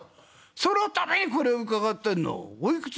そのためにこれ伺ってんの。おいくつ」。